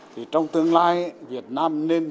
thì trong tương lai việt nam nên